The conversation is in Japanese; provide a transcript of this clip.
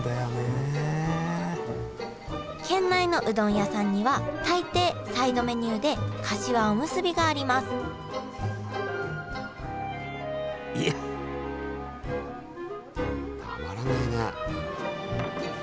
県内のうどん屋さんには大抵サイドメニューでかしわおむすびがありますたまらないね。